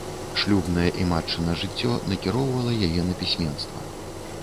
Шлюбнае і матчына жыццё накіроўвала яе на пісьменства.